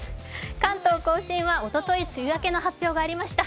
関東甲信はおととい、梅雨明けの発表がありました。